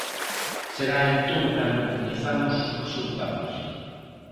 Será entón cando coñezamos os resultados.